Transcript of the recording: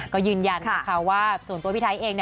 ก็ยืนยันนะคะว่าส่วนตัวพี่ไทยเอง